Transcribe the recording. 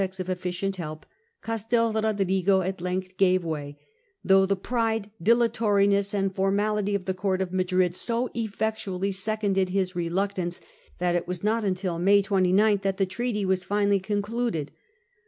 Without resources or prospect of efficient help, Castel Rodrigo at length gave way ; though the pride, dilatori ness, and formality of the court of Madrid so effectually seconded his reluctance that it was not until May 29 that the treaty was finally concluded.